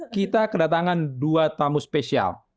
kita kedatangan dua tamu spesial